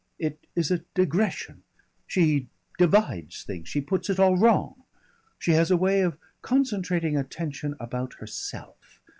"It is a digression. She divides things. She puts it all wrong. She has a way of concentrating attention about herself.